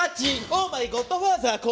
オーマイゴッドファーザー降臨！